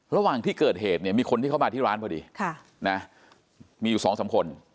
ระหว่างที่เกิดเหตุมีคนที่เข้ามาที่ร้านพอดีมีอยู่๒๓คน